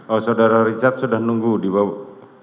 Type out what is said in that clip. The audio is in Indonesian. oh saudara richard sudah nunggu di bawah